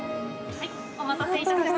お待たせいたしました。